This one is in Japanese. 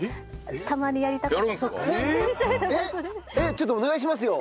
えっちょっとお願いしますよ。